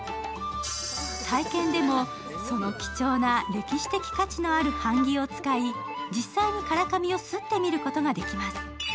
体験でも、その貴重な歴史的価値のある版木を使い、実際に唐紙をすってみることができます。